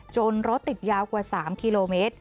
จนรถติดยาวกว่า๓คม